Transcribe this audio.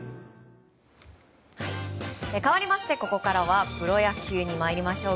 かわりましてここからはプロ野球に参りましょう。